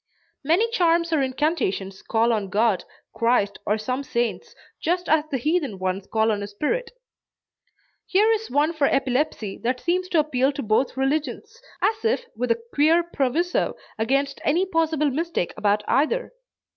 Many charms or incantations call on God, Christ or some saints, just as the heathen ones call on a spirit. Here is one for epilepsy that seems to appeal to both religions, as if with a queer proviso against any possible mistake about either.